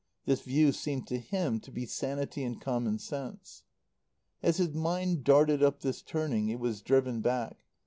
This view seemed to him to be sanity and common sense. As his mind darted up this turning it was driven back.